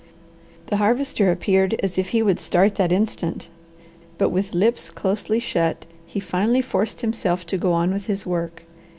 The Harvester appeared as if he would start that instant, but with lips closely shut he finally forced himself to go on with his work.